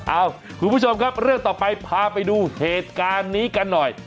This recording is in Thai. เอ้าคุณผู้ชมครับเรื่องต่อไปพาไปดูเหตุการณ์นี้กันหน่อย